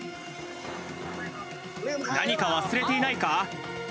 何か忘れていないか？